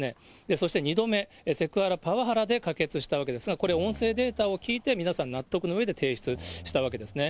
そして２度目、セクハラ、パワハラで可決したわけですが、これ、音声データを聞いて、皆さん納得のうえで提出したわけですね。